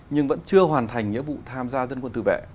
nhưng vẫn chưa hoàn thành nhiệm vụ tham gia dân quân tự vệ